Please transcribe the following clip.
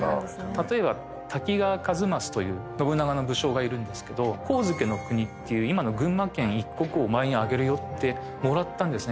例えば滝川一益という信長の武将がいるんですけど上野国っていう今の群馬県一国をお前にあげるよってもらったんですね